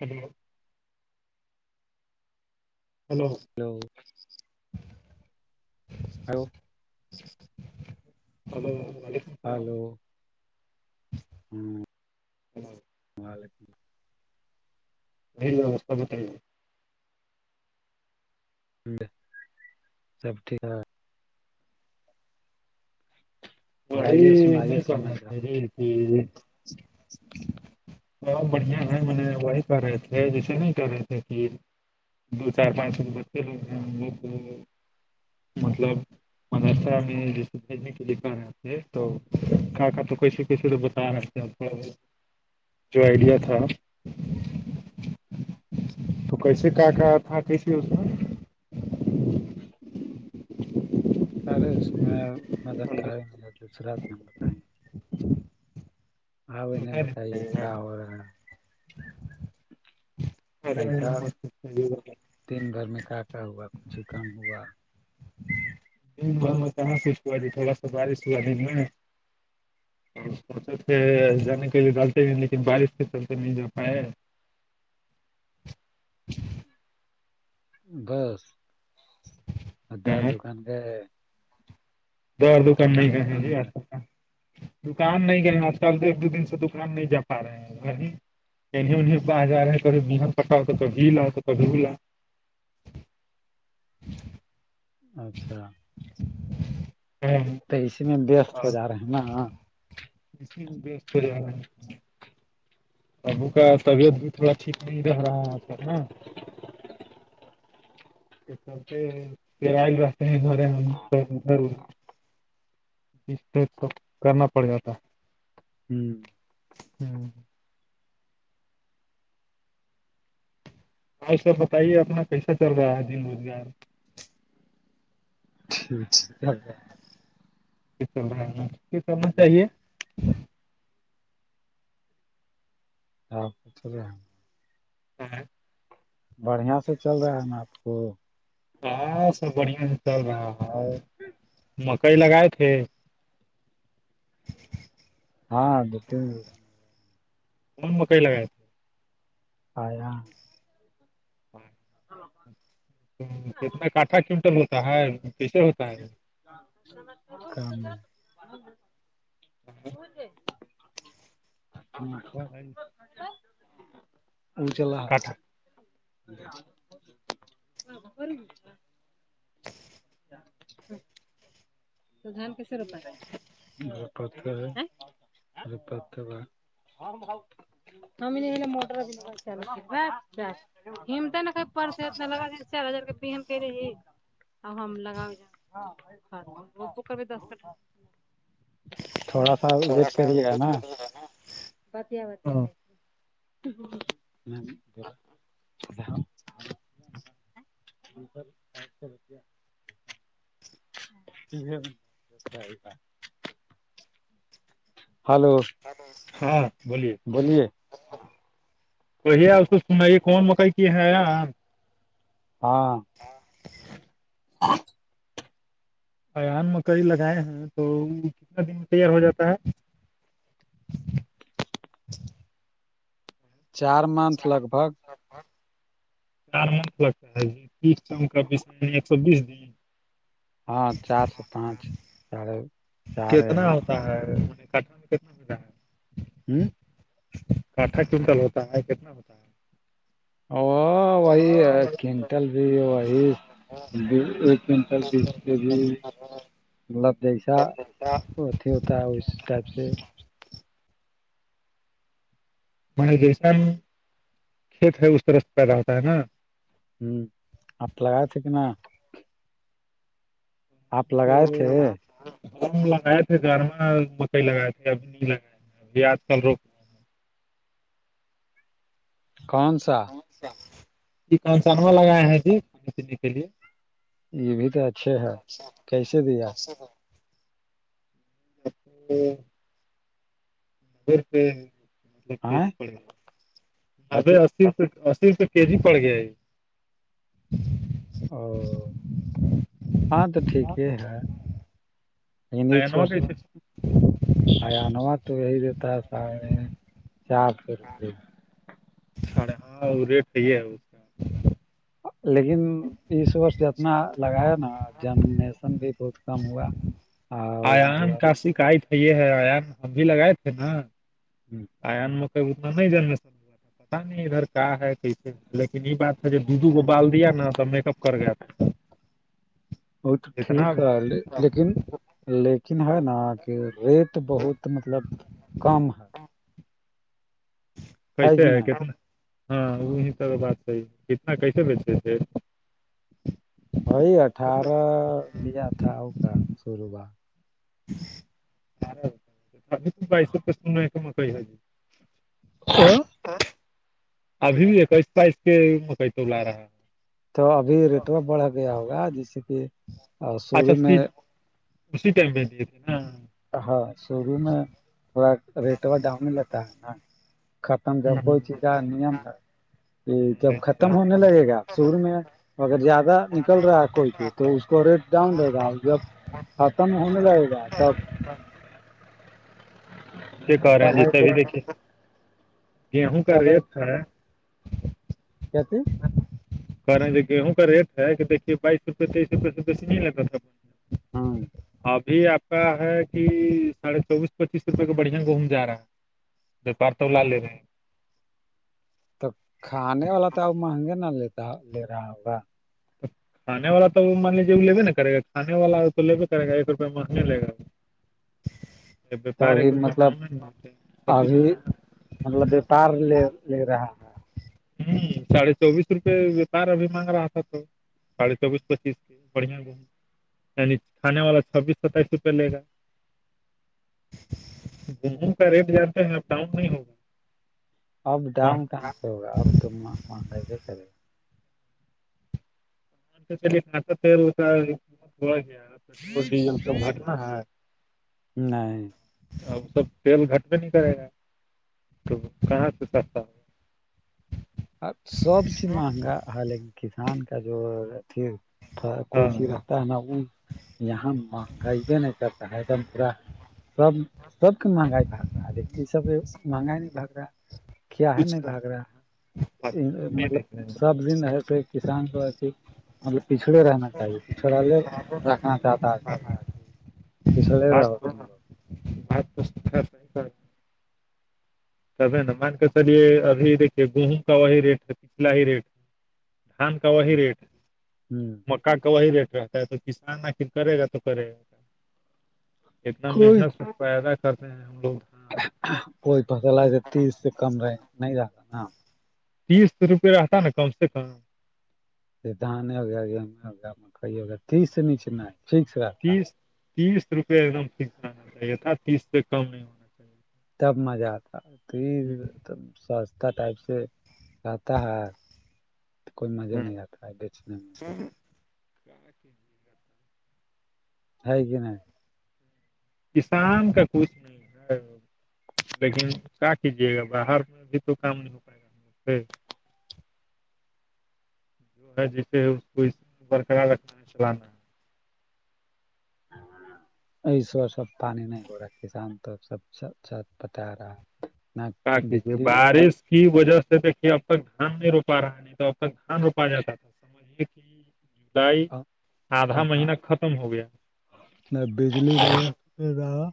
جی hello hello [unintelligible] hello hello السلام hello ہوں وعلیکم ال نہیںستہ بت گ ہے سب ٹھیک بی بتائیے سنائیے نہیں کرنا سمجھ پے رہا بہت بڑھیا ہے میں نے وہی کر رہے تھے جیسے نہیں کر رہے تھے کہل دو چار پانچ رو بچے ہو مطلب مدرسہ میں ڈج نہیں کے د پا رہا یہ تو کا کا تو کیسی کیسی تو بتا رہتے جو آئیڈیا تھا تو کیسے کا کہا تھا کیسے اس کا ارے اس میں انا دانکاری م دوسراان بتائیں گے آ نہیں بتائیے کیا ہو رہا ہے ارے م دین بھر میں کا کا ہوا کچھ ہی کم ہوا میں سو سج تھوڑ سواری سو آج میں اور سوچتے تھ جانے کے لیے ڈالتے نہیں لیکن بارش سے چلتے نہیں جا پائے بس ادار ہیں۔ دکان گئے دو اور دکان نہیں گئے ہیں جی آک کا دکان نہیں گنا چبد ایک دو دن سے دکان نہیں جا پا رہے ہیں گی ان ای باز جا ہے پٹاؤ کھی لاؤ کب ر لاؤ اچھا ہاں تو اس میں وست ہو جا رہے ہے نا [unintelligible] ابو کا طبیعت بھی تھوڑا ٹھیک نہیں رہا ہے آج کل نا تے کرل رہتے ہیں گارے ہمھر اس س کرنا پڑ جاتا ہوں ہوں ہ سب بتائیے اپنا کیسا چل رہا ہے دن روزگار ج ہے سنا چل رہا ہے۔ چاہیے جاں ب تور ہم ہوں بڑھیا سے چل رہا ہے نا آپ کو ہاں سب بڑھیا سے چل رہا ہے مکئی لگائے تھے [unintelligible] ہاں دو تین کوون مکئی لگا آیاں کتنا کاٹھا کنٹل ہوتا ہے کییسے ہوتا ہے [unintelligible] [unintelligible] [unintelligible] ہ ا چلا کاٹھا [unintelligible] ب گچا [unintelligible] تو دان کیسے روپا ہے دپد دپد کا ہم موٹر چ تو نا کہ پرس اتنا لگا د چار ہزار کے بی کر رہی اب ہم لگاؤ وہ کرب دس کٹ تھوڑا سا ویٹ کریے گا نا بتیا بتیا ہاں جائے ہم سر [unintelligible] [unintelligible] ہلو ہاں بولیے بولیے وہی اس کو سنائیے کون مکائی کی ہے یار ہاں ہاں اان مکئی لگائے ہیں تو وہ کتنے دن میں تیار ہو جاتا ہے چار منتھ لگ بھگ چار منتھ لگتا ہے کا ایک سو بیس دی ہاں چار سے پانچ چڑے کتنا ہوتا ہے ان کٹ میں کتنا ملا ہے ہوں کٹا چنٹل ہوتا ہے کتنا ہوتا ہے وہو وہی کنٹل بھی ہے وہی کنٹل بیس کے جی لب جیسا ہوتا ہے اس ٹائپ سے م جیس کھیت ہے اس طرح سے پیدا ہوتا ہے نا ہوں آپ لگائے تھے کہ ن آپ [inaudible] لگائے تھے وہ لگائے تھے گھر میں مکئی لگائے تھے ابھی نہیں لگائے تھے ابھی آج کل روک کون سا کانس لگاائے ہیں جی کھانے پینے کے لیے یہ بھی تو اچھے ہیں کیسے دیا اچھا ہاں [inaudible] روپے مطلب آئ پڑے گا نبے اچھی اسی سروپئے کے جی پڑ گیا او ہاں تو ٹھیک ہی ہے ہندچ آینوا وس کیسے آیاانوا تو یہی دیتا ہے ساڑھے چار سو روپے سے ہاں وہ ریٹ کئی ہے کا لیکن اس وورس جتنا لگایا نا جننیشن بھی بہت کم ہوا اور آان کا مطلب شکایت ہے یہ ہے آان ہم بھی لگائے تھے نا جی آیاان م کوئی بتنا نہیں جانے س پتا نہیں ادھر کا ہے کیسے لیکن یہ بات تھا جب دو دو گو بال دیا نا تو میک اپ کر گیا تھا [inaudible] وہ تو ٹھیک اتنا ہے لیکن لیکن ہے نا کہ ریٹ بہت مطلب کم ہے کیسے کہ ہے نہیں کتنا ہاں وہی سب بات ہےی کتنا کیسے بیچے تھ وہی اٹھارہ لیا تھا ا کا شروعات بائیسو پرسن نہیں تو میں کہئی آ جی [unintelligible] ابھی بھی ایک اسپائس کے مکئی تو لا رہا ہے تو ابھی ریٹو بڑھا گیا ہوگا جیسے کہ اچھا شروع میں اسی م میں دیے تھے نا ہاں شرو میں تھوڑا ریٹ اور ڈاؤن ہی لتا ہے نا ختم جب کوئی چیزا نیم ہے یہ جب ختم ہونے لگے گا سور میں اگر زیادہ نکل رہا ہے کوئی کے تو اس کو ریٹ ڈاؤن رہے گا جب ختم ہونے لگے گا تب اس کارے ہیں جیسے ابھی تب دیکھیے گیہوں کا ریٹ کیا ک رہے گیہوں کا ریٹ ہے کہ دھیے بائیس روپے تیس روپئے سے بیسی نہیں لگا تھا ہوں ابھی آپ کا ہے کہ ساڑھے چوبیس پچیس روپئے کو بڑھیا گوم جا رہا ہے وپار تولہ لیےب ہیں تو کھانے والا تو اب مہنگے نہ لیتا لے رہا ہوگا کھے والا تو وہ مان لیجیے وہ ل لیبےا کرےاھانے والا تو لیے کرے گا ایک روپیہ مہنے لے گا وہ تو ابھی روپئے مطلب ڈاؤن نہیں مانتے ہیں چھبیس ابھی روپئے مطلب وپار لے لے رہا ہوں ساھے چوبیس روپے وپار ابھی مانگ رہا تھا تو ساھے چوبیس پچیس بڑھیا بوم ینی کھانے والا چھبیس ستائیس روپئے لے گا گوں کا ریٹ زیادہ ہے اب ڈاؤن نہیں ہوگا اب وہاں ڈانؤ ٹاگ سے ہوگا اب تو ماننے کے کرے گا لیا پ ہوا گیا پیٹرول ڈیزل تو گٹنا ہے نہیں اب سب تیل گھٹ بھی نہیں کرے گا تو کہاں سے سستا ہو اب سب چیز مہنگا ہ لیکن کسان کا جو کوچا ہاں ت ن وہ یہاں مہنگائی بھی نہیں کرتا ہے ایک دم پورا سب سب کے مہنگاائی باگ رہا ہے لیکن اس سب سے مہنگائی نہیں باگ رہا کیا ہے کچھ نہیں بگ رہا ہے پتہ نہیں مطلب دیکھ رہے ہیں سب دن رہتے ہے کسان کو اھی مطلب پچھڑے رہنا چاہیے پچھڑا لے رکھنا چاہتا ہے سر پھلے رہا تم آ تو تب ہے نا مان کے چلیے ابھی دیکھیے گیہم کا وہی ریٹ ہے پچھلا ہی ریٹ دھان کا وہی ریٹ ہ پا کا وہی ریٹ رہتا ہے تو کسان آخر کرے گا تو کرے گا کیا؟ اتنا کوئی محنت پیدا کرتے ہیں ہم لوگ کوئی فصل ہےس تیس سے کم رہے نہیں ز رہا تیس روپے رہتا نا کم سے کم دان گم مک تیس نیچنا فٹکس را تیس تیس روپے ایک دم فکس آنا چاہیے تھا تیس سے کم نہیں ہونا چاہیے تب مزہ آتا تو یہ ہوں سستا ٹائپ سے کتا ہے کوئی مزے ہوں نہیں آتا بیچنے میںتے ا کرتا ہے کہ نہیں [unintelligible] کسان کا کچھ نہیں ہے [unintelligible] لیکن کیا کیجیے گا باہر میں بھی تو کام نہیں ہو پائے گا ہم لوگ سے جو جیسے اس کو برقرار رکھنا ہے چلانا ہے [unintelligible] ایس سب پانی نہیں ہو رہا ہے کسان تو سب س بتا رہا ہے نہ باقی بجلی بارش کی وجہ سے دیکھیے اب تک گھان نہیں رو پا رہا ہے نہیں تو اب تک گھان روپا جاتا تھا سمجے کہ ڈائی آدھا مہینہ ختم ہو گیا نہیں بجلی بڑھیا رہا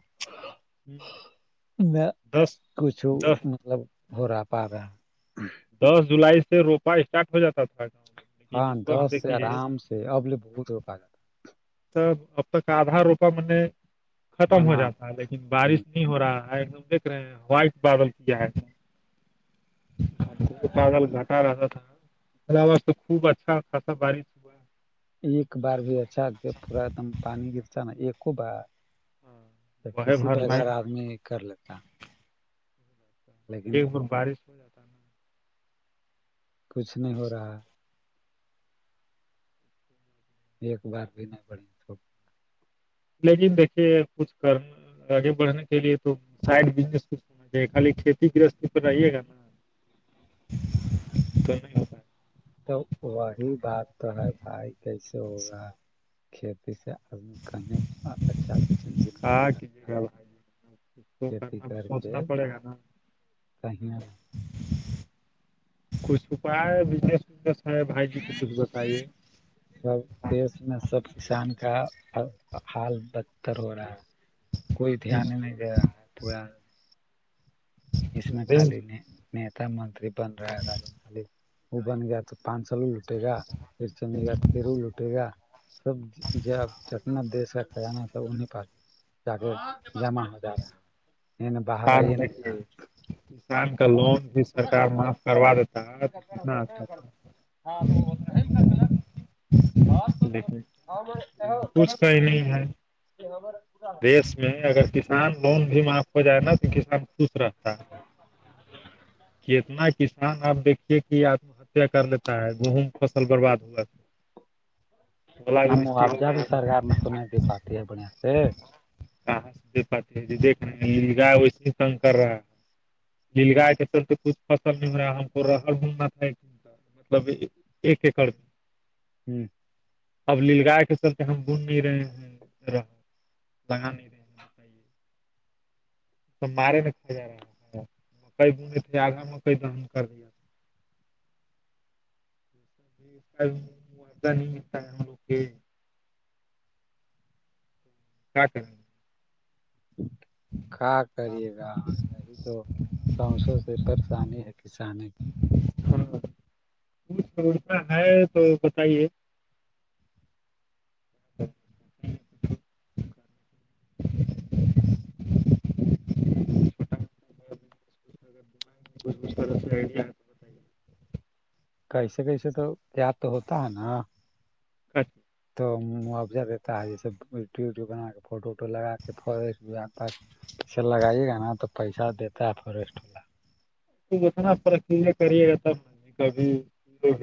میں دس کچھو دس مطلب ہو رہا پ رہا [unintelligible] دس جولائی سے روپا اسٹارٹ ہو جاتا تھا گاؤں میں لیکن اس وقت دیکھیے تو اب بوت روکا گ ہے تب اب تک آدھا روپا میں نے ختم ہو سماپت جاتا ہے لیکن بارش میں [unintelligible] نہیں ہو رہا ہے ہم دیکھ رہے ہیں وائٹ بادل کیا ہے [unintelligible] گھٹار رس تھا [unintelligible] تو خوب اچھا خاصا بارش [unintelligible] ایک بار بھی اچھا پورا ایک دم پانی گرتا نا ایکو بار ہاں وہ ہے کسی بھر بغیر لائن آدمی کر لیتا [unintelligible] لیکن ایک بار بارش ہو جاتا ہے نا کچھ نہیں ہو رہا ایک بار بھی نہیں پڑیںے لیکن دیکھیے کچھ کرنا آگے بڑھنے کے لیے تو سائڈ بس کچ خالی کھیتی گرہستی تو رہے گا نا تو نہیں ہوتا ہے تو وہی بات تو ہے بھائی کیسے تو ہوگا کھیتی سے آدمی کہیں اچھا سے زندگی میں بھی کہاں کیجیے کرتا [unintelligible] گا بھائی کچھ تو کھیتی کرنا کر کے سوچنا پڑے گا نا کہ [unintelligible] کچھ اپائے بزنس وزنس ہے بھائی جی تو کچھ بتائیے [unintelligible] [inaudible] دیش میں سب کسان کا حال بدتر ہو رہا ہے کوئی دھی نہیں نہیں گیا پورا اس میں خالی نہیں نیتا منری بن رہا ہے خ وہ بن گیا تو پان س ل لٹے گا پھر چمے گا تو پھر وہ لوٹے گا سب ج آپ جتنا دیس ہے کزانا سب انہیں پا جا کے جمع ہو جا رہا ہیں باہر آئی کسان نہیں رہا دیکھیے کسان کا لون بھی سرک معاف کروا دیتا [unintelligible] کتنا اچھا تھا ہاں تو وہ تو نہیں کر گا [unintelligible] تو لیکن بن کچھ ا صحیح نہیں ہے س [unintelligible] میں اگر کسان لون بھی معاف ہو جائے نا تو کسان خوش رہتا ہے [unintelligible] تنا کسان آپ دیکھیے کہ آم کر لیتا ہے گہوںم فصل برباد ہوا ن اولاوشٹی ہو ماوجہ بھی گیا سرکار تو نہیں د پاتی ہے بڑھیا سے کہاں پ ج دیکھ رہے نیل گائے ویسے کن کر رہا ہے نل گائے کے اس سے کچھ فصل نہیں ہو رہا ہم کو رہر گھومنا تھا مطلب ایک ایکڑ میں ہوں اب نل گائے کے سبتے ہم بن نہیں رہے ہیں رہ لگا نہیں رہ توب مارے میں کھ جا رہا تھا مکئی بنے تھے آدھا مکئی دم کر دیا ابھی نہیں اوکے ہاں سر ک کریے گا یہی تو سسوں سے پریشانی ہے کسان کی ہاں ہے تو بتائیے [inaudible] [inaudible] بوچ بوھ کر کیسے کیسے تو یاد تو ہوتا ہے نا [unintelligible] توب موجہ دیتا ہے جیسے یڈٹیوب وڈوب بنا کے فوٹو ووٹو لگا کے اسے لگائیے گا نا تو پیسہ دیتا ہے فوریسٹ والا تو اتنا پرکریا کریے گا کاب